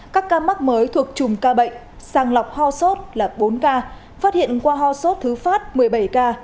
các ca mắc mới thuộc chùm ca bệnh sàng lọc ho sốt là bốn ca phát hiện qua ho sốt thứ phát một mươi bảy ca